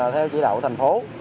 theo chỉ đạo thành phố